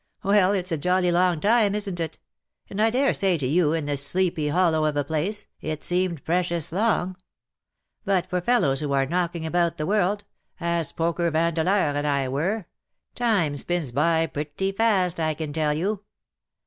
Well, it's a jolly long time, isn't it ? and I dare say to you, in this sleepy hollow of a place, it seemed precious long. But for fellows who are knocking* about the world — as Poker Vandeleur and I were — time spins by pretty fast, I can tell you.